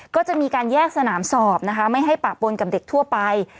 ก็จะมีการแยกสนามสอบนะคะไม่ให้ปะปนกับเด็กทั่วไป